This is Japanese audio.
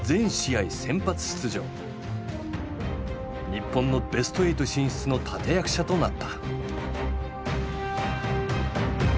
日本のベストエイト進出の立て役者となった。